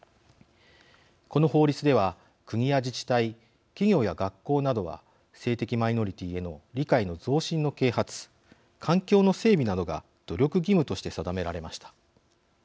この法律では国や自治体企業や学校などは性的マイノリティーへの理解の増進の啓発環境の整備などが努力義務として定められました。